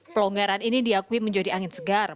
pelonggaran ini diakui menjadi angin segar